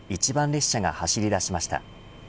列車が走り出しました。